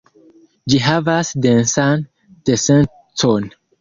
Ĝi havas densan densecon.